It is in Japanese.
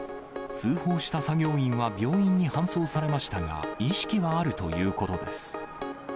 通報した作業員は病院に搬送されましたが、意識はあるということです。